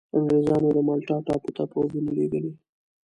انګرېزانو د مالټا ټاپو ته پوځونه لېږلي.